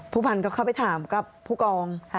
ผู้พันธ์ก็เข้าไปถามกับผู้กอง